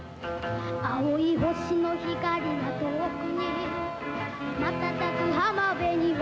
「青い星の光が遠くにまたたく浜辺には」